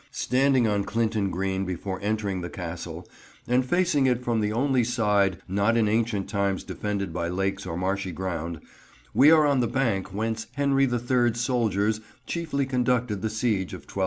Standing on Clinton Green before entering the Castle, and facing it from the only side not in ancient times defended by lakes or marshy ground, we are on the bank whence Henry the Third's soldiers chiefly conducted the siege of 1266.